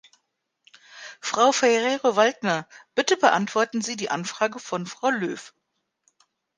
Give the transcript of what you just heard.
Frau Ferrero-Waldner, bitte beantworten Sie die Anfrage von Frau Lööw.